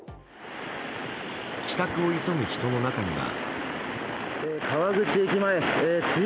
帰宅を急ぐ人の中には。